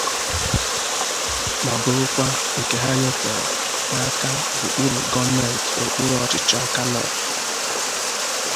ma bụrụkwa nke ha nyefèrè n'aka okpuru gọọmenti okpuru ọchịchị 'Awka North'